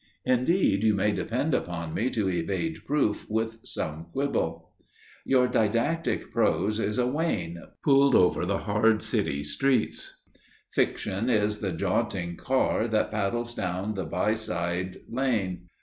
Indeed, you may depend upon me to evade proof with some quibble. Your didactic prose is a wain, pulled over the hard city street. Fiction is the jaunting car that paddles down the by side lane.